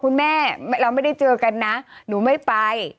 คุณแม่เราไม่ได้เจอกันนะหนูไม่ไป